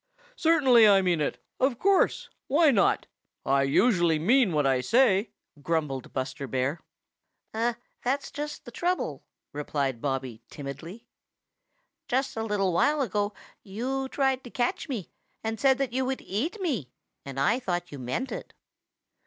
"Certainly I mean it. Of course. Why not? I usually mean what I say," grumbled Buster Bear. "That's just the trouble," replied Bobby timidly. "Just a little while ago you tried to catch me and said that you would eat me, and I thought you meant it."